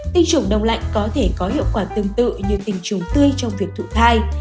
tinh trùng đông lạnh có thể có hiệu quả tương tự như tình trùng tươi trong việc thụ thai